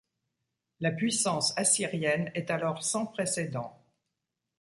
La puissance assyrienne est alors sans précédent.